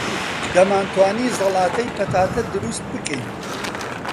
دەمانتوانی زەڵاتەی پەتاتە دروست بکەین.